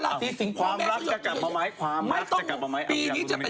ได้ยิ่งกินชิบจักรงี้ใช่ไหม